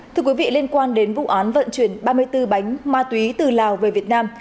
thưa quý vị liên quan đến vụ án vận chuyển ba mươi bốn bánh ma túy từ lào về việt nam